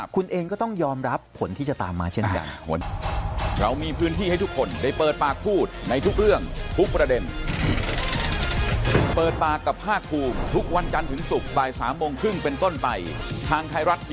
คุณเองก็ต้องยอมรับผลที่จะตามมาเช่นกัน